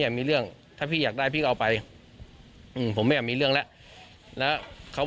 เขาดินกลับความอดทนแล้วครับ